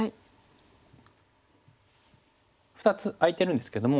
２つ空いてるんですけども